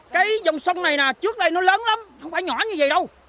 cây dòng sông này trước đây nó lớn lắm không phải nhỏ như vậy đâu